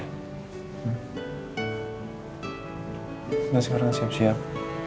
kita sekarang siap siap